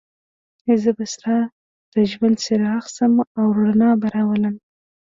زه به ستا د ژوند څراغ شم او رڼا به راولم.